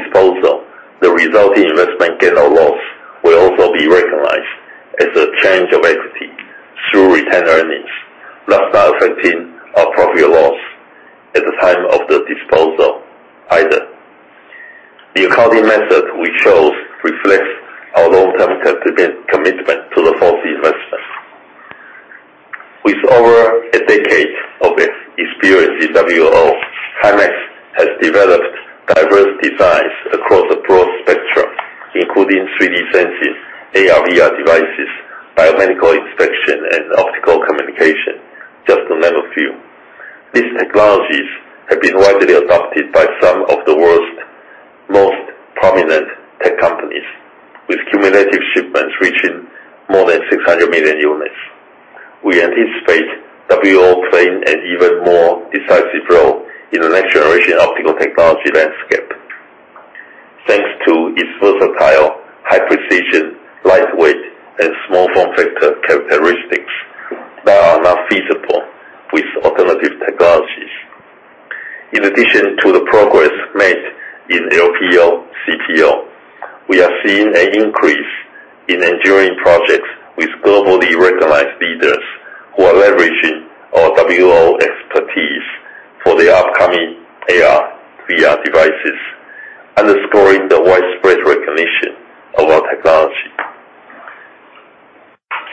disposal, the resulting investment gain or loss will also be recognized as a change of equity through retained earnings, thus not affecting our profit or loss at the time of the disposal either. The accounting method we chose reflects our long-term commitment to the FOCI investment. With over a decade of experience in WO, Himax has developed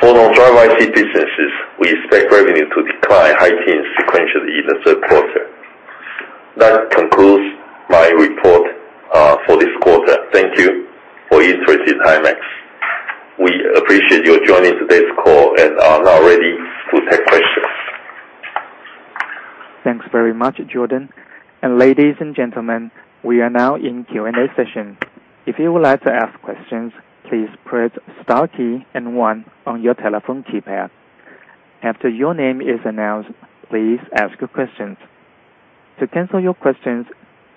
For non-driver IC businesses, we expect revenue to decline high-teens sequentially in the third quarter. That concludes my report for this quarter. Thank you for your interest in Himax. We appreciate your joining today's call and are now ready to take questions. Thanks very much, Jordan. And ladies and gentlemen, we are now in Q&A session. If you would like to ask questions, please press star key and one on your telephone keypad. After your name is announced, please ask your questions. To cancel your questions,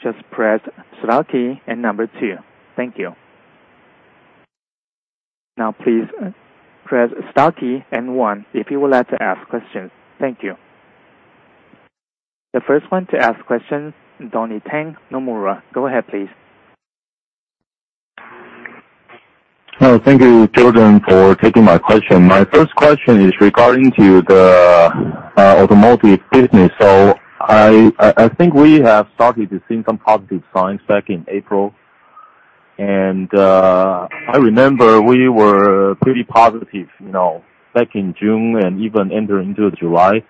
just press star key and number two. Thank you. Now, please press star key and one if you would like to ask questions. Thank you. The first one to ask questions, Donnie Teng, Nomura. Go ahead, please. Oh, thank you, Jordan, for taking my question. My first question is regarding to the automotive business. So I think we have started to see some positive signs back in April, and I remember we were pretty positive, you know, back in June and even entering into July.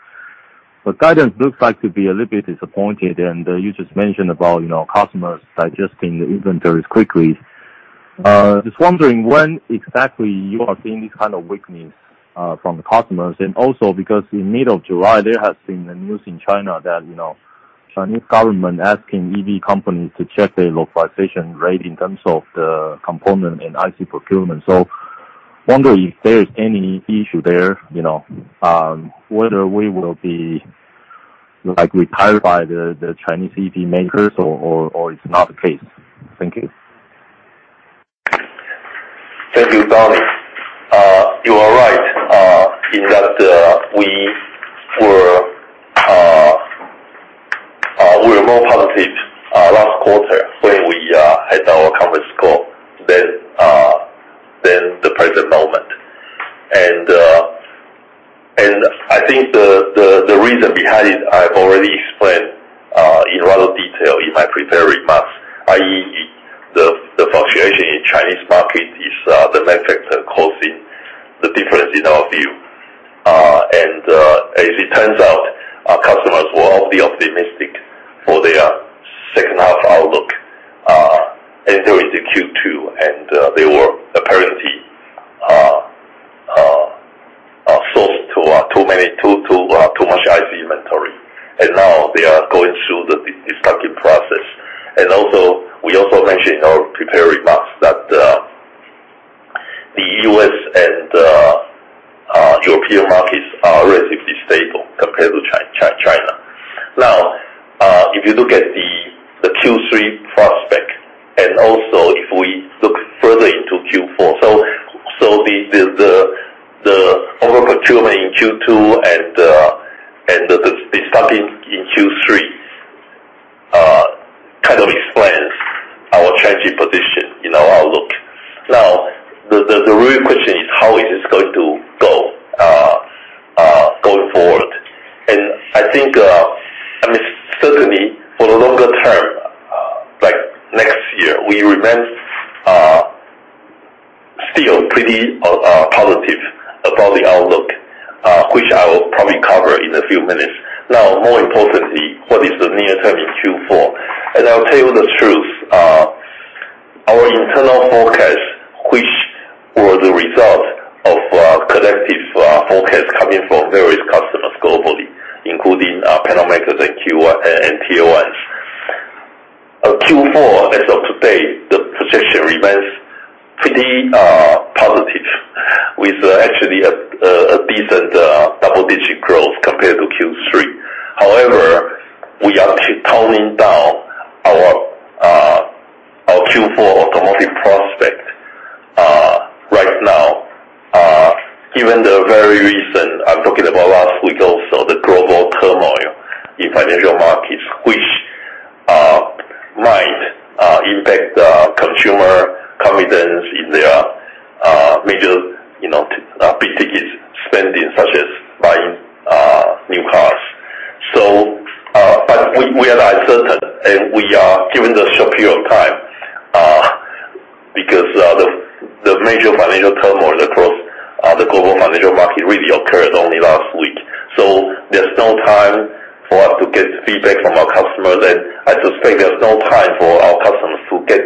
But guidance looks like to be a little bit disappointed, and you just mentioned about, you know, customers digesting the inventories quickly. Just wondering when exactly you are seeing this kind of weakness from the customers, and also because in middle of July, there has been a news in China that, you know, Chinese government asking EV companies to check their localization rate in terms of the component and IC procurement. Wonder if there is any issue there, you know, whether we will be, like, retired by the Chinese EV makers or it's not the case? Thank you. Thank you, Don. You are right, in that we were more positive last quarter when we had our conference call than the present moment. I think the reason behind it, I've already explained in a lot of detail in my prepared remarks, i.e., the fluctuation in Chinese market is the main factor causing the difference in our view. As it turns out, our customers were overly optimistic for their second half outlook entering into Q2, and they were apparently sourced to too much IC inventory. Now they are going through the de-stocking process. And also, we also mentioned in our prepared remarks that the U.S. and European markets are relatively stable compared to China. Now, if you look at the Q3 prospect, and also if we look further into Q4, so the over-procurement in Q2 and the de-stocking in Q3 kind of explains our changing position in our outlook. Now, the real question is, how is this going to go going forward? And I think, I mean, certainly for the longer term, like next year, we remain still pretty positive about the outlook, which I will probably cover in a few minutes. Now, more importantly, what is the near term in Q4? I'll tell you the truth, our internal forecast, which were the result of collective forecast coming from various customers globally, including panel makers and Tier 1s and OEMs. Q4, as of today, the projection remains pretty positive, with actually a decent double-digit growth compared to Q3. However, we are keep toning down our Q4 automotive prospect right now. Given the very reason I'm talking about last week, also, the global turmoil in financial markets, which might impact the consumer confidence in their major, you know, big-ticket spending, such as buying new cars. So, but we are uncertain, and we are giving the short period of time, because the major financial turmoil across the global financial market really occurred only last week. So there's no time for us to get feedback from our customers. I suspect there's no time for our customers to get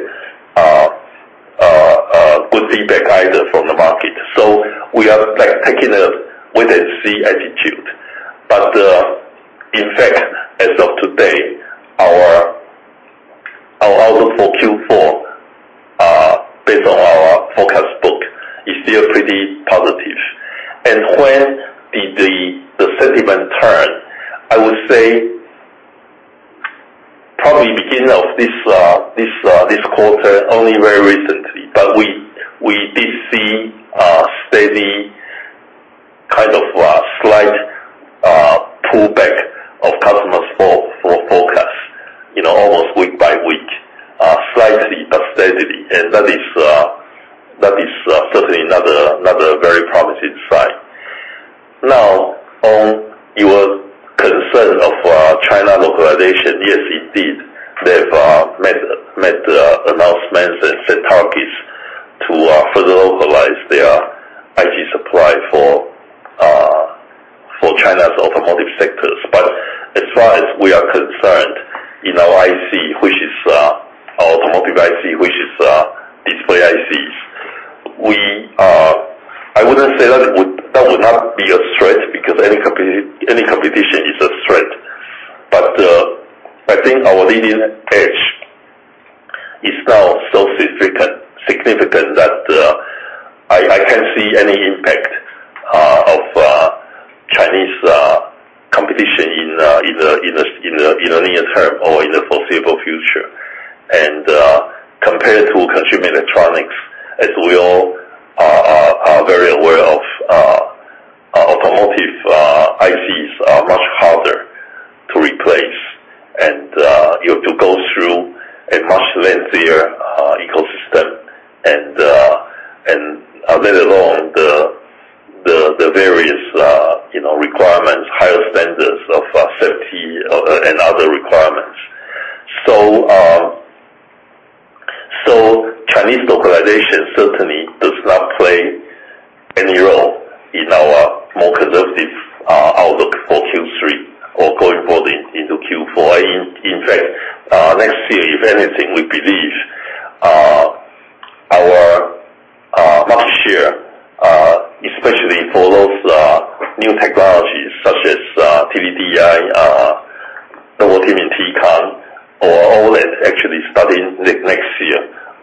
good feedback either from the market. We are, like, taking a wait-and-see attitude. In fact, as of today, our outlook for Q4, based on our forecast book, is still pretty positive. When the sentiment turn, I would say probably beginning of this quarter, only very recently, but we did see a steady kind of slight pullback of customers for forecast, you know, almost week by week. Slightly but steadily, and that is certainly not a very promising sign. Now, on your concern of, China localization, yes, indeed, they've made announcements and set targets to, further localize their IC supply for, for China's automotive sectors. But as far as we are concerned, in our IC, which is, our automotive IC, which is, display ICs, we, I wouldn't say that would not be a threat, because any competition is a threat. But, I think our leading edge is now so significant that, I can't see any impact, of, Chinese, competition in, in the near term or in the foreseeable future. And, compared to consumer electronics, as we all are very aware of, automotive, ICs are much harder to replace. And, you have to go through a much lengthier ecosystem, and let alone the various, you know, requirements, higher standards of safety, and other requirements. So, Chinese localization certainly more conservative outlook for Q3 or going forward into Q4. In fact, next year, if anything, we believe our market share, especially for those new technologies such as TDDI or all that actually starting next year,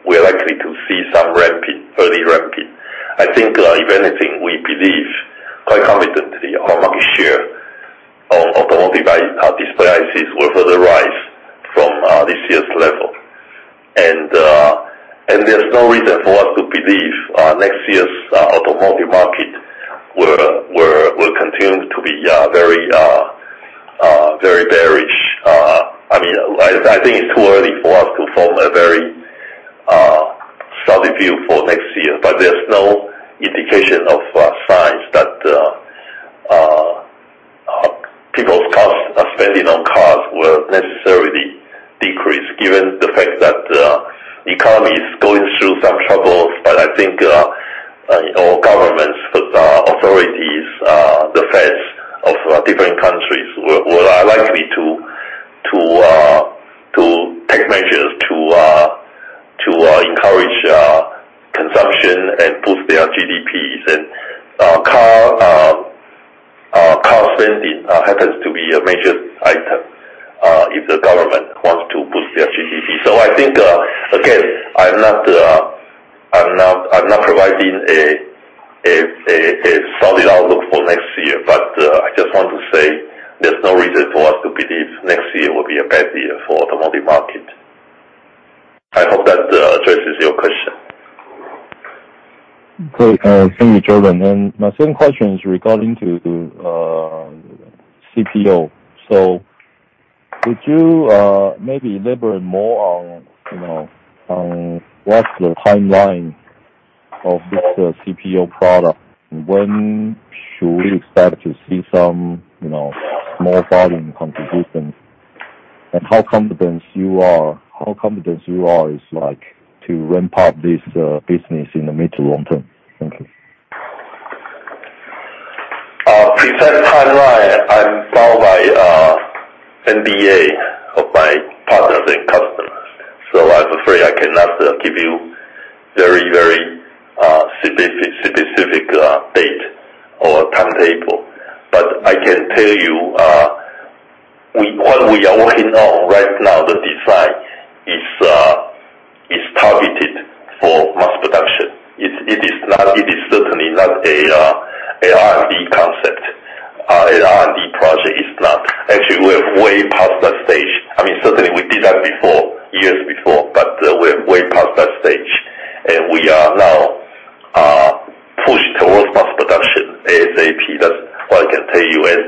we are likely to see some ramping, early ramping. I think, if anything, we believe quite confidently, our market share of automotive display ICs will further rise from this year's level. There's no reason for us to believe next year's automotive market will continue to be very bearish. I mean, I think it's too early for us to form a very solid view for next year, but there's no indication of signs that people's spending on cars will necessarily decrease, given the fact that economy is going through some troubles. But I think, you know, governments authorities, the Feds of different countries are likely to take measures to encourage consumption and boost their GDPs. Car spending happens to be a major item if the government wants to boost their GDP. So I think, again, I'm not providing a solid outlook for next year, but I just want to say there's no reason for us to believe next year will be a bad year for automotive market. I hope that addresses your question. Great. Thank you, Jordan. And my second question is regarding to CPO. So could you maybe elaborate more on, you know, on what's the timeline of this CPO product? When should we expect to see some, you know, more volume contributions? And how confident you are, how confident you are is like to ramp up this business in the mid to long term? Thank you. Precise timeline, I'm bound by NDA of my partners and customers, so I'm afraid I cannot give you very, very specific date or timetable. But I can tell you what we are working on right now, the design is targeted for mass production. It is not, it is certainly not a R&D concept, a R&D project. It's not. Actually, we're way past that stage. I mean, certainly we did that before, years before, but we're way past that stage, and we are now pushed towards mass production ASAP. That's what I can tell you. And in fact, we expect to see some small but very early results, hopefully, by the end of this year. But that's minimal. But, next year, you know, if everything goes as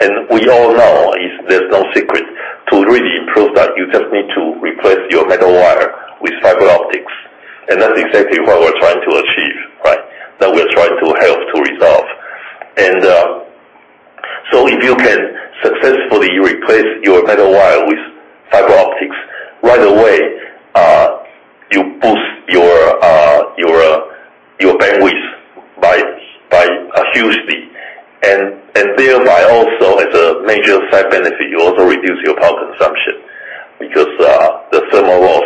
And we all know there's no secret. To really improve that, you just need to replace your metal wire with fiber optics, and that's exactly what we're trying to achieve, right? That we're trying to help to resolve. And so if you can successfully replace your metal wire with fiber optics, right away by a hugely, and thereby also as a major side benefit, you also reduce your power consumption, because the thermal loss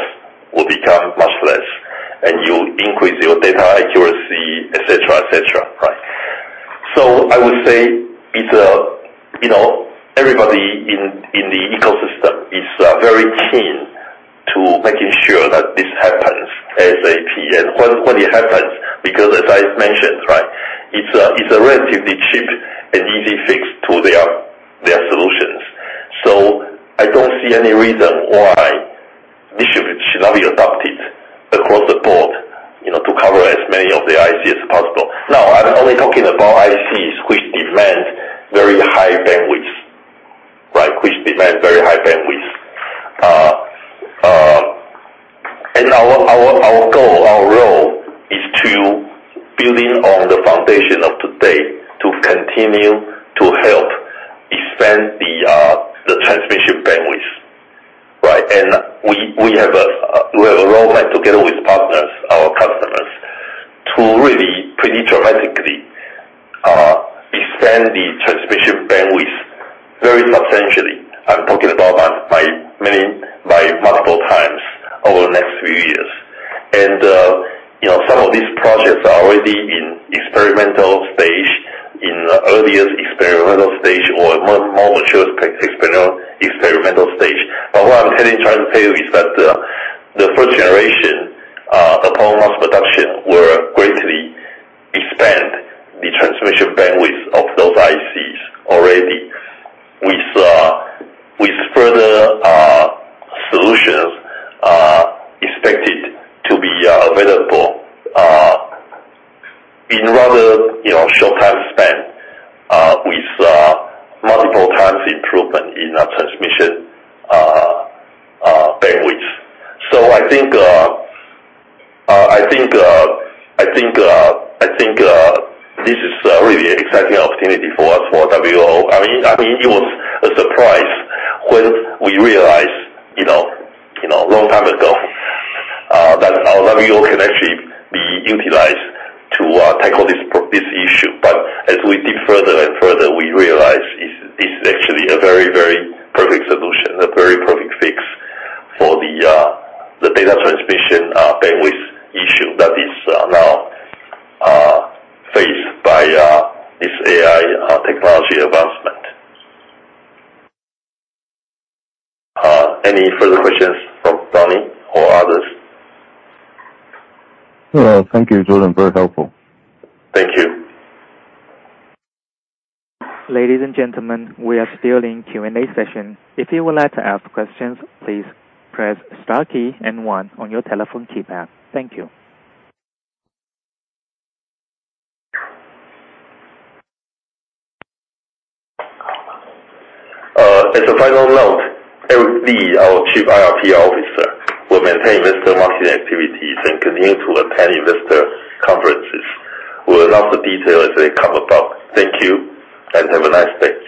will become much less, and you increase your data accuracy, et cetera, et cetera, right? So I would say it's you know, everybody in the ecosystem is very keen to making sure that this happens ASAP. And when it happens, because as I mentioned, right, it's a relatively cheap and easy fix to their solutions. So I don't see any reason why this should not be adopted across the board, you know, to cover as many of the ICs as possible. Now, I'm only talking about ICs which demand very high bandwidth, right? Which demand very high bandwidth. And our goal, our role, is to building on the foundation of today, to continue to help expand the transmission bandwidth, right? And we have a roadmap together with partners, our customers, to really pretty dramatically expand the transmission bandwidth very substantially. I'm talking about by many, by multiple times over the next few years. You know, some of these projects are already in experimental stage, in the earliest experimental stage or more mature experimental stage. But what I'm trying to tell you is that the first generation, upon mass production, will greatly expand the transmission bandwidth of those ICs already, with further solutions expected to be available in rather, you know, short time span, with multiple times improvement in our transmission bandwidth. So I think this is really an exciting opportunity for us, for WO. I mean, it was a surprise when we realized, you know, a long time ago, that our WO can actually be utilized to tackle this issue. But as we dig further and further, we realize this, this is actually a very, very perfect solution, a very perfect fix for the, the data transmission, bandwidth issue that is, now, faced by, this AI, technology advancement. Any further questions from Donnie or others? Sure. Thank you, Jordan. Very helpful. Thank you. Ladies and gentlemen, we are still in Q&A session. If you would like to ask questions, please press star key and one on your telephone keypad. Thank you. As a final note, Eric Li, our Chief IR Officer, will maintain investor market activities and continue to attend investor conferences. We'll announce the details as they come about. Thank you, and have a nice day.